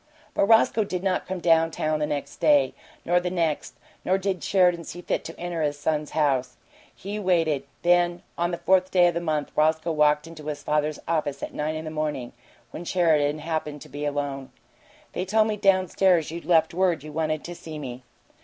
But Roscoe did not come down town the next day, nor the next; nor did Sheridan see fit to enter his son's house. He waited. Then, on the fourth day of the month, Roscoe walked into his father's office at nine in the morning, when Sheridan happened to be alone. "They told me down stairs you'd left word you wanted to see me."